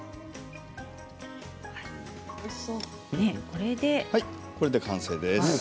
これで完成です。